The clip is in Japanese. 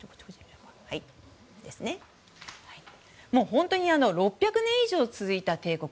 本当に６００年以上続いた帝国。